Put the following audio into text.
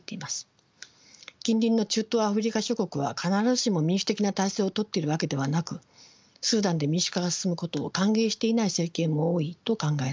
近隣の中東アフリカ諸国は必ずしも民主的な体制をとっているわけではなくスーダンで民主化が進むことを歓迎していない政権も多いと考えられます。